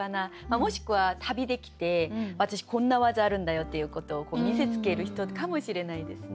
もしくは旅で来て私こんな技あるんだよっていうことを見せつける人かもしれないですね。